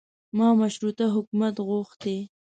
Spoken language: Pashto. ما مشروطه حکومت غوښتی.